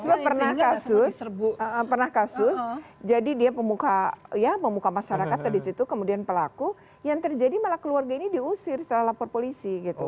sehingga pernah kasus jadi dia memuka masyarakat tadi di situ kemudian pelaku yang terjadi malah keluarga ini diusir setelah lapor polisi gitu